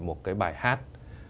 một cái bài hát